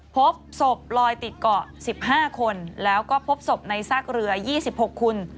พบศพลอยติดเกาะ๑๕คนแล้วก็พบศพในซากเรือ๒๖คน